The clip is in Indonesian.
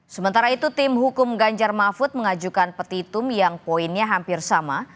sementara itu tim hukum ganjar mahfud mengajukan petitum yang poinnya hampir sama